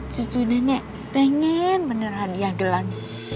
cucu nenek pengen beneran ia gelang